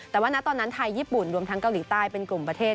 แต่ว่าณตอนนั้นไทยญี่ปุ่นรวมทั้งเกาหลีใต้เป็นกลุ่มประเทศ